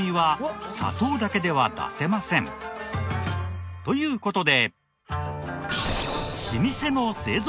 あのという事で。